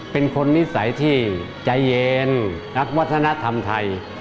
เป็นคนนิสัยที่ใจเย็นรักวัฒนธรรมไทย